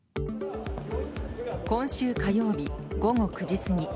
今週火曜日、午後９時過ぎ。